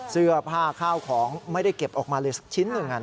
เสื้อผ้าข้าวของไม่ได้เก็บออกมาเลยสักชิ้นหนึ่ง